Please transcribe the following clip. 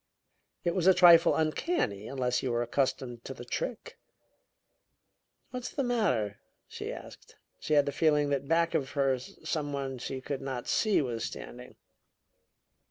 It was a trifle uncanny, unless you were accustomed to the trick. "What's the matter?" she asked. She had the feeling that back of her some one she could not see was standing.